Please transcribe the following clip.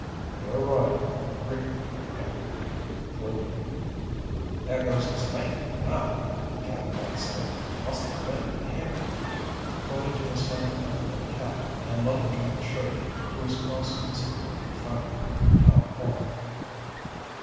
"You're right," Rick agreed gloomily. "There goes his mate now," Cap'n Mike said. "Must have been at the hearing." He pointed to a slender man in a cap and lumberjack's shirt who was crossing the street in front of town hall.